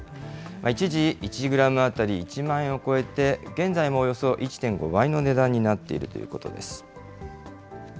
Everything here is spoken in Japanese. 一時、１グラム当たり１万円を超えて、現在もおよそ１．５倍の値段になっているということです。